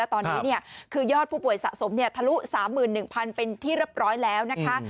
ตอนนี้คือยอดผู้ป่วยสะสมทะลุ๓๑๐๐เป็นที่เรียบร้อยแล้วนะคะ